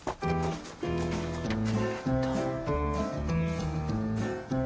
えーっと。